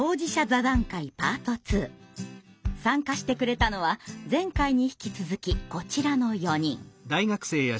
参加してくれたのは前回に引き続きこちらの４人。